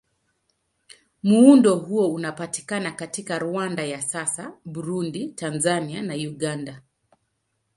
Muundo huo unapatikana katika Rwanda ya sasa, Burundi, Tanzania na Uganda.